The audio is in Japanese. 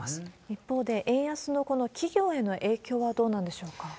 一方で、円安の企業への影響はどうなんでしょうか？